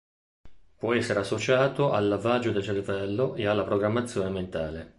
Può essere associato al lavaggio del cervello e alla programmazione mentale.